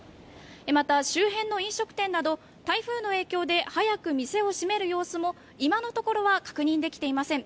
また、周辺の飲食店など台風の影響で早く店を閉める様子も今のところは確認できていません。